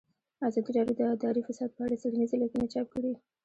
ازادي راډیو د اداري فساد په اړه څېړنیزې لیکنې چاپ کړي.